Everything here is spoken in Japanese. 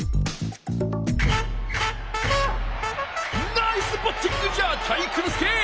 ナイスバッティングじゃ体育ノ介！